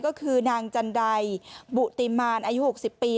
ก็คือนางจันไดบุติมารอายุ๖๐ปี